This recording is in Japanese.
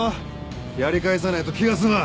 やり返さないと気が済まん。